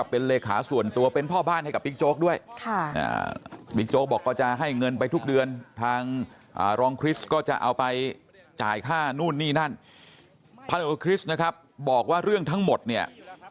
ภารกิจนะครับบอกว่าเรื่องทั้งหมดเนี่ย